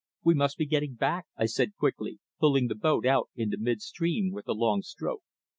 "We must be getting back," I said quickly, pulling the boat out into mid stream with a long stroke.